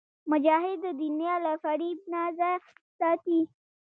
مجاهد د دنیا له فریب نه ځان ساتي.